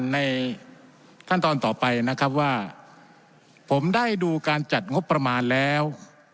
ในขั้นตอนต่อไปนะครับว่าผมได้ดูการจัดงบประมาณแล้ว